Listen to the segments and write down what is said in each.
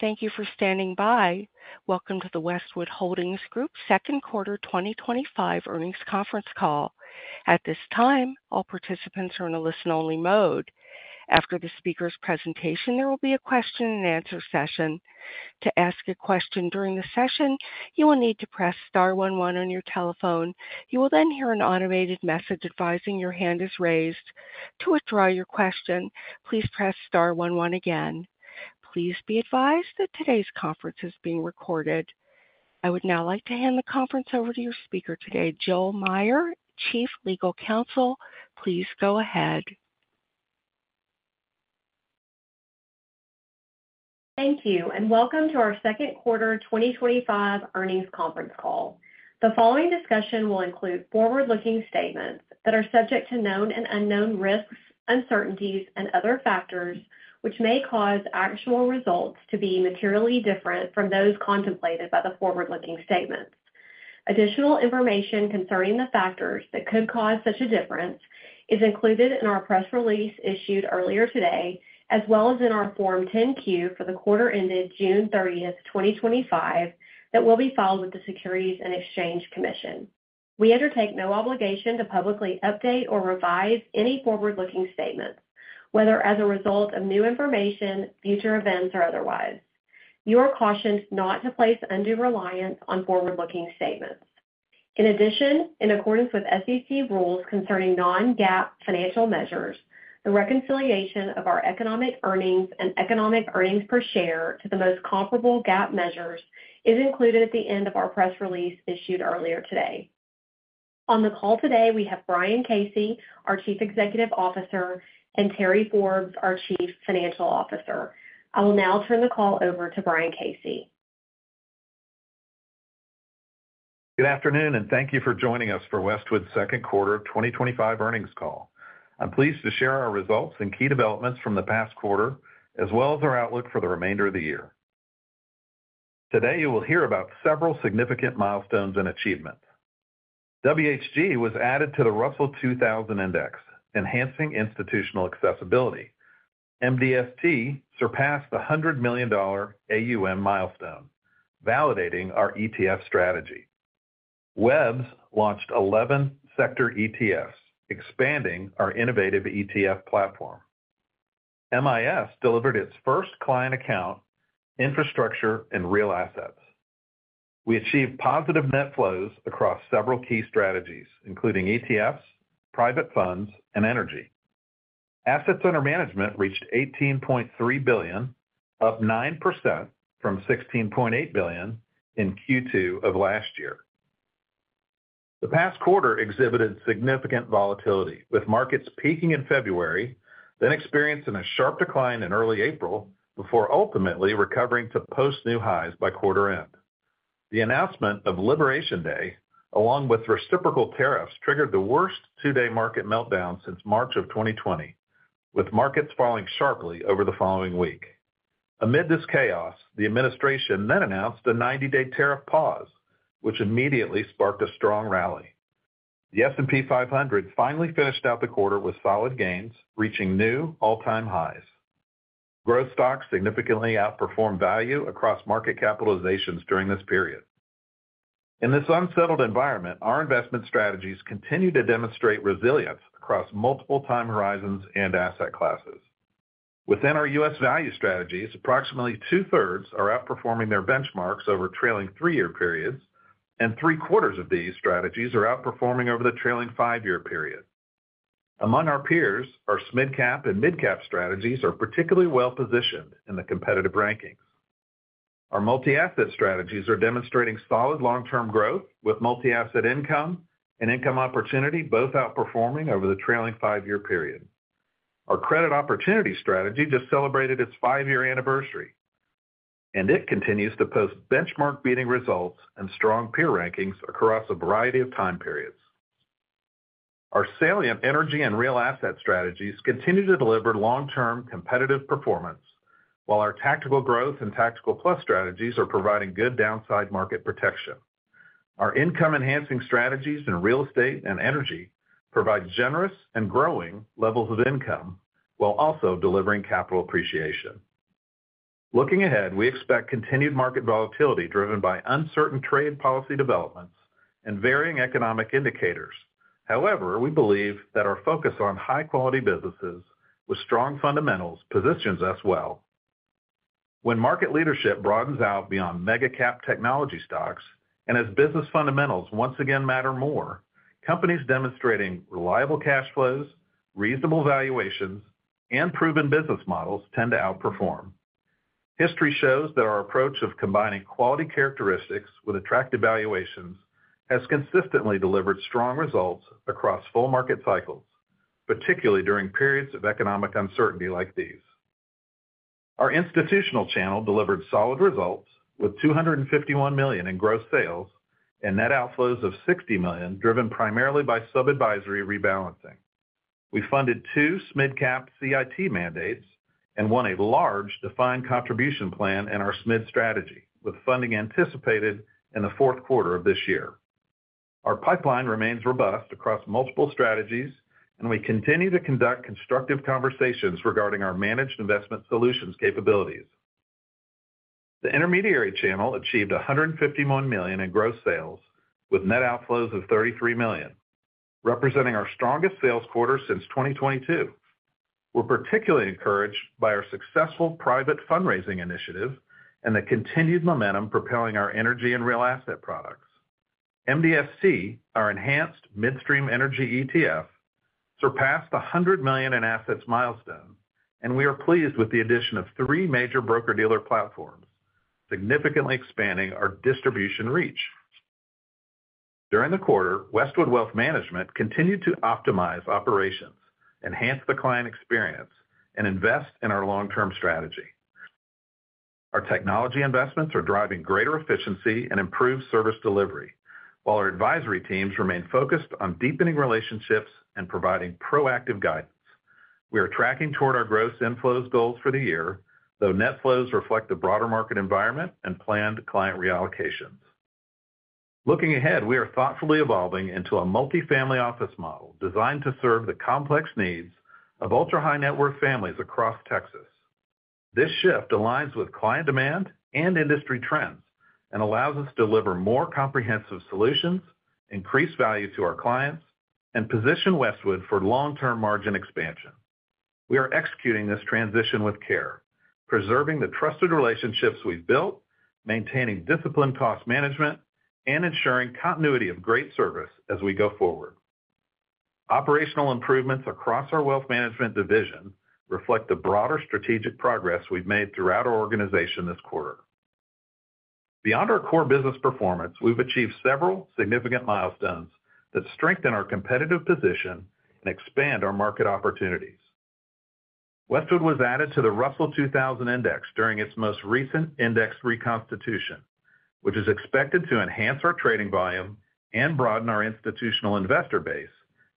Thank you for standing by. Welcome to the Westwood Holdings Group's Second Quarter 2025 Earnings Conference Call. At this time, all participants are in a listen-only mode. After the speaker's presentation, there will be a question and answer session. To ask a question during the session, you will need to press star 11 on your telephone. You will then hear an automated message advising your hand is raised. To withdraw your question, please press star 11 again. Please be advised that today's conference is being recorded. I would now like to hand the conference over to your speaker today, Jill Meyer, Chief Legal Counsel. Please go ahead. Thank you, and welcome to our second quarter 2025 earnings conference call. The following discussion will include forward-looking statements that are subject to known and unknown risks, uncertainties, and other factors which may cause actual results to be materially different from those contemplated by the forward-looking statements. Additional information concerning the factors that could cause such a difference is included in our press release issued earlier today, as well as in our Form 10-Q for the quarter ended June 30th, 2025, that will be filed with the Securities and Exchange Commission. We undertake no obligation to publicly update or revise any forward-looking statements, whether as a result of new information, future events, or otherwise. You are cautioned not to place undue reliance on forward-looking statements. In addition, in accordance with SEC rules concerning non-GAAP financial measures, the reconciliation of our economic earnings and economic earnings per share to the most comparable GAAP measures is included at the end of our press release issued earlier today. On the call today, we have Brian Casey, our Chief Executive Officer, and Terry Forbes, our Chief Financial Officer. I will now turn the call over to Brian Casey. Good afternoon, and thank you for joining us for Westwood's second quarter 2025 earnings call. I'm pleased to share our results and key developments from the past quarter, as well as our outlook for the remainder of the year. Today, you will hear about several significant milestones and achievements. WHG was added to the Russell 2000 Index, enhancing institutional accessibility. MDST surpassed the $100 million AUM milestone, validating our ETF strategy. WEBs launched 11 sector ETFs, expanding our innovative ETF platform. MIS delivered its first client account, infrastructure, and real assets. We achieved positive net flows across several key strategies, including ETFs, private funds, and energy. Assets under management reached $18.3 billion, up 9% from $16.8 billion in Q2 of last year. The past quarter exhibited significant volatility, with markets peaking in February, then experiencing a sharp decline in early April, before ultimately recovering to post new highs by quarter end. The announcement of Liberation Day, along with reciprocal tariffs, triggered the worst two-day market meltdown since March of 2020, with markets falling sharply over the following week. Amid this chaos, the administration then announced a 90-day tariff pause, which immediately sparked a strong rally. The S&P 500 finally finished out the quarter with solid gains, reaching new all-time highs. Growth stocks significantly outperformed value across market capitalizations during this period. In this unsettled environment, our investment strategies continue to demonstrate resilience across multiple time horizons and asset classes. Within our U.S. value strategies, approximately two-thirds are outperforming their benchmarks over trailing three-year periods, and three-quarters of these strategies are outperforming over the trailing five-year period. Among our peers, our SMID-cap and MidCap strategies are particularly well positioned in the competitive rankings. Our multi-asset strategies are demonstrating solid long-term growth, with Multi-Asset Income and Income Opportunity both outperforming over the trailing five-year period. Our credit opportunity strategy just celebrated its five-year anniversary, and it continues to post benchmark-beating results and strong peer rankings across a variety of time periods. Our Salient energy and real asset strategies continue to deliver long-term competitive performance, while our Tactical Growth and Tactical Plus strategies are providing good downside market protection. Our income-enhancing strategies in real estate and energy provide generous and growing levels of income, while also delivering capital appreciation. Looking ahead, we expect continued market volatility driven by uncertain trade policy developments and varying economic indicators. However, we believe that our focus on high-quality businesses with strong fundamentals positions us well. When market leadership broadens out beyond mega-cap technology stocks, and as business fundamentals once again matter more, companies demonstrating reliable cash flows, reasonable valuations, and proven business models tend to outperform. History shows that our approach of combining quality characteristics with attractive valuations has consistently delivered strong results across full market cycles, particularly during periods of economic uncertainty like these. Our institutional channel delivered solid results with $251 million in gross sales and net outflows of $60 million, driven primarily by sub-advisory rebalancing. We funded two SMID-cap CIT mandates and won a large defined contribution plan in our SMID strategy, with funding anticipated in the fourth quarter of this year. Our pipeline remains robust across multiple strategies, and we continue to conduct constructive conversations regarding our Managed Investment Solutions capabilities. The intermediary channel achieved $151 million in gross sales, with net outflows of $33 million, representing our strongest sales quarter since 2022. We're particularly encouraged by our successful private fundraising initiative and the continued momentum propelling our energy and real asset products. MDST, our enhanced midstream energy ETF, surpassed the $100 million in assets milestone, and we are pleased with the addition of three major broker-dealer platforms, significantly expanding our distribution reach. During the quarter, Westwood Wealth Management continued to optimize operations, enhance the client experience, and invest in our long-term strategy. Our technology investments are driving greater efficiency and improved service delivery, while our advisory teams remain focused on deepening relationships and providing proactive guidance. We are tracking toward our gross inflows goals for the year, though net flows reflect the broader market environment and planned client reallocations. Looking ahead, we are thoughtfully evolving into a multifamily office model designed to serve the complex needs of ultra-high net worth families across Texas. This shift aligns with client demand and industry trends and allows us to deliver more comprehensive solutions, increase value to our clients, and position Westwood for long-term margin expansion. We are executing this transition with care, preserving the trusted relationships we've built, maintaining disciplined cost management, and ensuring continuity of great service as we go forward. Operational improvements across our Wealth Management division reflect the broader strategic progress we've made throughout our organization this quarter. Beyond our core business performance, we've achieved several significant milestones that strengthen our competitive position and expand our market opportunities. Westwood was added to the Russell 2000 Index during its most recent index reconstitution, which is expected to enhance our trading volume and broaden our institutional investor base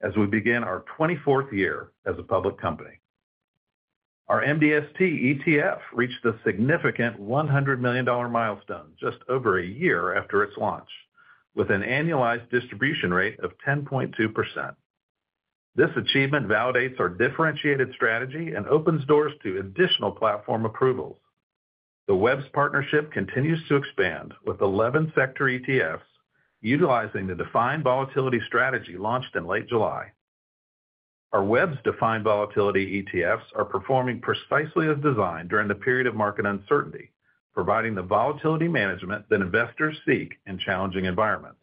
as we begin our 24th year as a public company. Our MDST ETF reached a significant $100 million milestone just over a year after its launch, with an annualized distribution rate of 10.2%. This achievement validates our differentiated strategy and opens doors to additional platform approvals. The WEBs partnership continues to expand with 11 sector ETFs utilizing the defined volatility strategy launched in late July. Our WEBs defined volatility ETFs are performing precisely as designed during the period of market uncertainty, providing the volatility management that investors seek in challenging environments.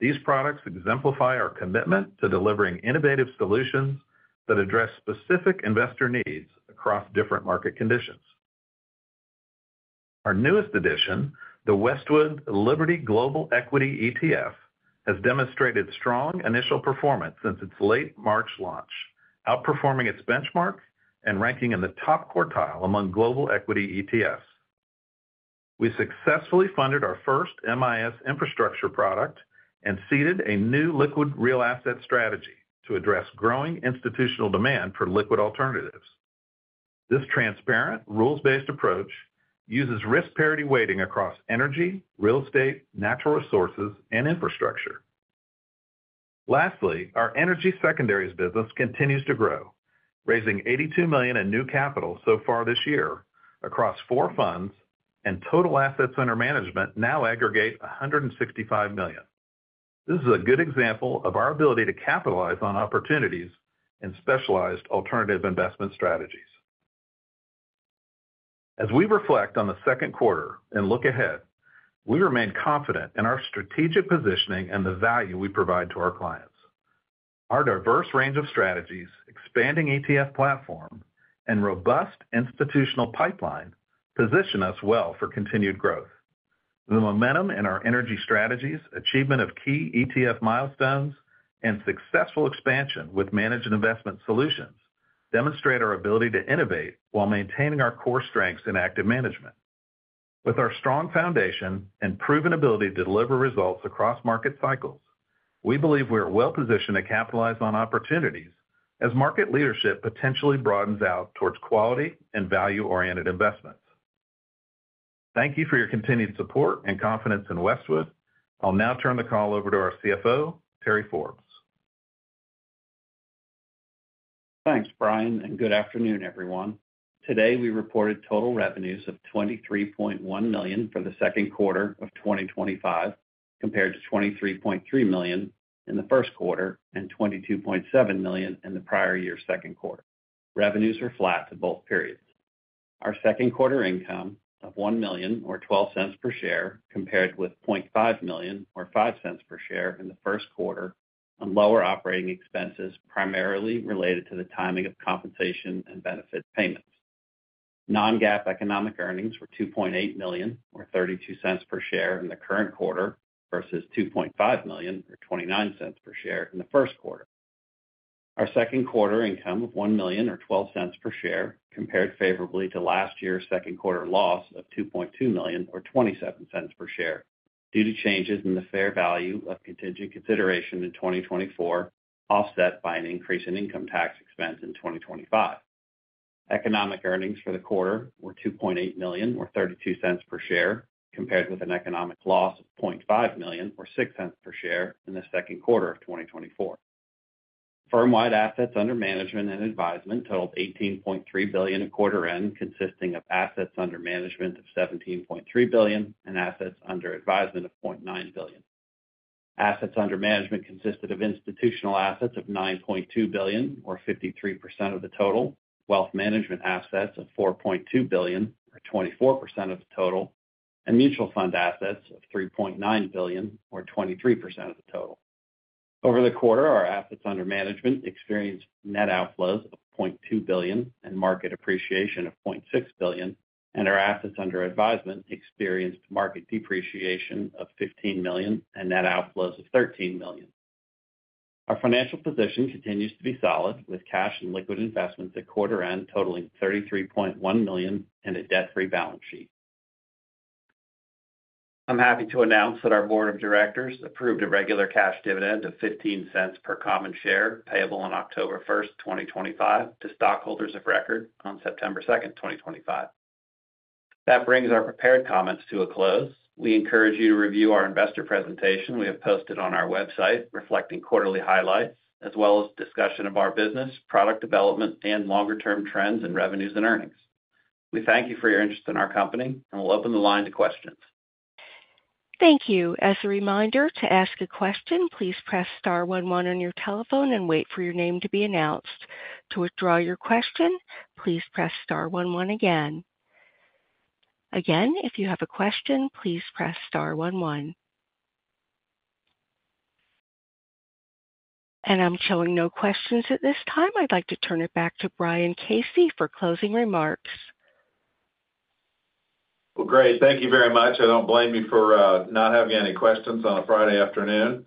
These products exemplify our commitment to delivering innovative solutions that address specific investor needs across different market conditions. Our newest addition, the Westwood LBRTY Global Equity ETF, has demonstrated strong initial performance since its late March launch, outperforming its benchmark and ranking in the top quartile among global equity ETFs. We successfully funded our first MIS infrastructure product and seeded a new liquid real asset strategy to address growing institutional demand for liquid alternatives. This transparent, rules-based approach uses risk parity weighting across energy, real estate, natural resources, and infrastructure. Lastly, our energy secondaries business continues to grow, raising $82 million in new capital so far this year across four funds, and total assets under management now aggregate $165 million. This is a good example of our ability to capitalize on opportunities in specialized alternative investment strategies. As we reflect on the second quarter and look ahead, we remain confident in our strategic positioning and the value we provide to our clients. Our diverse range of strategies, expanding ETF platform, and robust institutional pipeline position us well for continued growth. The momentum in our energy strategies, achievement of key ETF milestones, and successful expansion with managed investment solutions demonstrate our ability to innovate while maintaining our core strengths in active management. With our strong foundation and proven ability to deliver results across market cycles, we believe we are well positioned to capitalize on opportunities as market leadership potentially broadens out towards quality and value-oriented investments. Thank you for your continued support and confidence in Westwood. I'll now turn the call over to our CFO, Terry Forbes. Thanks, Brian, and good afternoon, everyone. Today, we reported total revenues of $23.1 million for the second quarter of 2025, compared to $23.3 million in the first quarter and $22.7 million in the prior year's second quarter. Revenues are flat in both periods. Our second quarter income of $1 million or $0.12 per share, compared with $0.5 million or $0.05 per share in the first quarter, and lower operating expenses primarily related to the timing of compensation and benefit payments. Non-GAAP economic earnings were $2.8 million or $0.32 per share in the current quarter versus $2.5 million or $0.29 per share in the first quarter. Our second quarter income of $1 million or $0.12 per share compared favorably to last year's second quarter loss of $2.2 million or $0.27 per share due to changes in the fair value of contingent consideration in 2024, offset by an increase in income tax expense in 2025. Economic earnings for the quarter were $2.8 million or $0.32 per share, compared with an economic loss of $0.5 million or $0.06 per share in the second quarter of 2024. Firm-wide assets under management and advisement totaled $18.3 billion at quarter end, consisting of assets under management of $17.3 billion and assets under advisement of $0.9 billion. Assets under management consisted of institutional assets of $9.2 billion or 53% of the total, wealth management assets of $4.2 billion or 24% of the total, and mutual fund assets of $3.9 billion or 23% of the total. Over the quarter, our assets under management experienced net outflows of $0.2 billion and market appreciation of $0.6 billion, and our assets under advisement experienced market depreciation of $15 million and net outflows of $13 million. Our financial position continues to be solid, with cash and liquid investments at quarter end totaling $33.1 million and a debt-free balance sheet. I'm happy to announce that our board of directors approved a regular cash dividend of $0.15 per common share, payable on October 1st, 2025, to stockholders of record on September 2nd, 2025. That brings our prepared comments to a close. We encourage you to review our investor presentation we have posted on our website, reflecting quarterly highlights, as well as discussion of our business, product development, and longer-term trends in revenues and earnings. We thank you for your interest in our company and will open the line to questions. Thank you. As a reminder, to ask a question, please press star 11 on your telephone and wait for your name to be announced. To withdraw your question, please press star 11 again. If you have a question, please press star 11. I'm showing no questions at this time. I'd like to turn it back to Brian Casey for closing remarks. Great, thank you very much. I don't blame you for not having any questions on a Friday afternoon.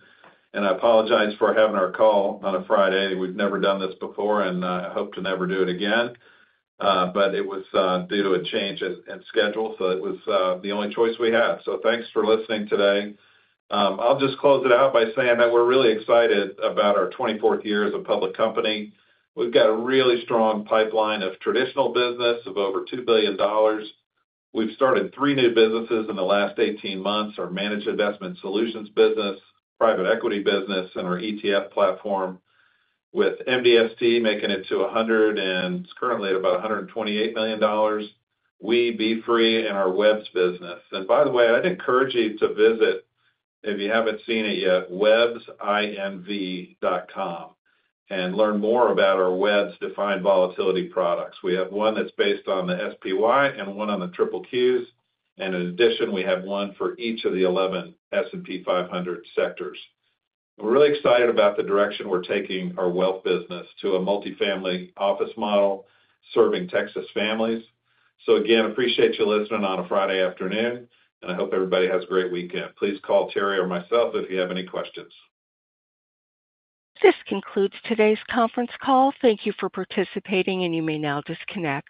I apologize for having our call on a Friday. We've never done this before, and I hope to never do it again. It was due to a change in schedule, so it was the only choice we had. Thanks for listening today. I'll just close it out by saying that we're really excited about our 24th year as a public company. We've got a really strong pipeline of traditional business of over $2 billion. We've started three new businesses in the last 18 months: our Managed Investment Solutions business, Private Equity business, and our ETF platform, with the MDST making it to $100 million and currently at about $128 million. We, BFRE, and our WEBs business. By the way, I'd encourage you to visit, if you haven't seen it yet, websinv.com and learn more about our WEBs defined volatility products. We have one that's based on the SPY and one on the QQQ. In addition, we have one for each of the 11 S&P 500 sectors. We're really excited about the direction we're taking our wealth business to a multifamily office model serving Texas families. Again, appreciate you listening on a Friday afternoon, and I hope everybody has a great weekend. Please call Terry or myself if you have any questions. This concludes today's conference call. Thank you for participating, and you may now disconnect.